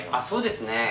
そうですね。